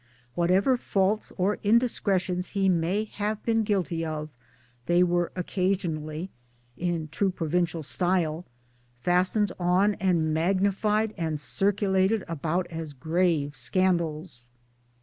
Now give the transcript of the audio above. : Whatever faults or indiscretions he may have been guilty of, they were occasionally (in true provincial style) fastened on and magnified and circulated about as grave scandals.